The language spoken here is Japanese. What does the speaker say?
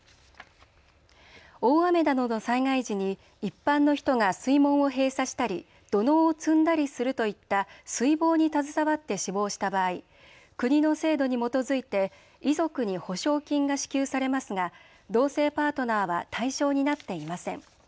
大雨などの災害時に一般の人が水門を閉鎖したり土のうを積んだりするといった水防に携わって死亡した場合、国の制度に基づいて遺族に補償金が支給されますが同性パートナーは対象になっていません。